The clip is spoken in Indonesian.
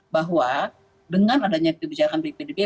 bahwa dengan adanya kebijakan bpdb